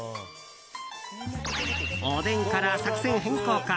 おでんから作戦変更か。